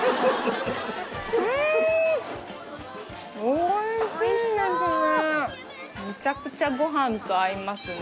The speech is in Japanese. おいしいですね。